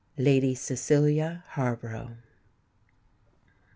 LADY CECILIA HARBOROUGH.